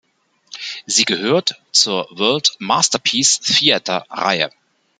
Sie gehört zur World-Masterpiece-Theater-Reihe.